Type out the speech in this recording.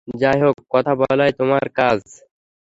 যাই হোক, কথা বলাই তোমার কাজ।